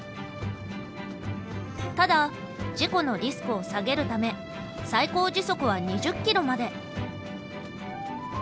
ただ事故のリスクを下げるため最高時速は２０ｋｍまで。